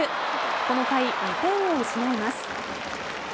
この回、２点を失います。